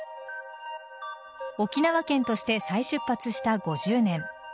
沖縄県として再出発した５０年。